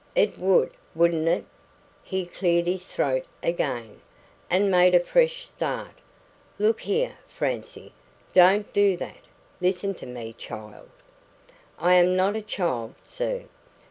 "It would, wouldn't it?" He cleared his throat again, and made a fresh start. "Look here, Francie don't do that! Listen to me child " "I am not a child, sir.